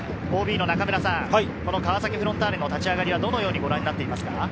ＯＢの中村さん、川崎フロンターレの立ち上がりはどのようにご覧になっていますか。